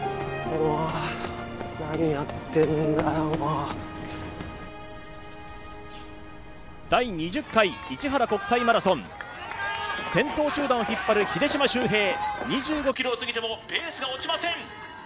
もう第２０回市原国際マラソン先頭集団を引っ張る秀島修平２５キロをすぎてもペースが落ちません！